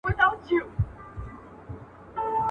زاهده! دغه تا نه غوښتله خدای غوښتله